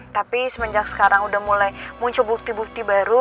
tapi semenjak sekarang udah mulai muncul bukti bukti baru